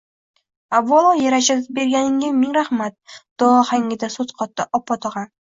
– Avvalo, yer ajratib berganingga ming rahmat, – duo ohangida so‘z qotdi opog‘otam